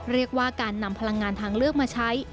เรียกว่าการนำพลังงานทางเลือกมาใช้